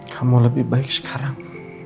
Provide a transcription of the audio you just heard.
kamu lebih baik sekarang